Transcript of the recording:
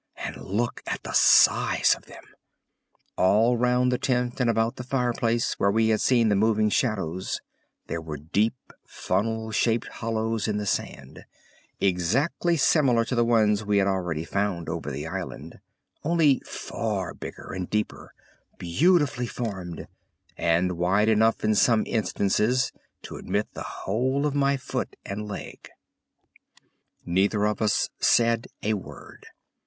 "And look at the size of them!" All round the tent and about the fireplace where we had seen the moving shadows there were deep funnel shaped hollows in the sand, exactly similar to the ones we had already found over the island, only far bigger and deeper, beautifully formed, and wide enough in some instances to admit the whole of my foot and leg. Neither of us said a word.